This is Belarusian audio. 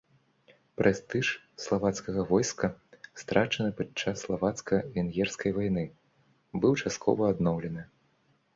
Прэстыж славацкага войска, страчаны падчас славацка-венгерскай вайны, быў часткова адноўлены.